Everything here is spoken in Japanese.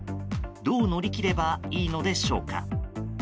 どう乗り切ればいいのでしょうか？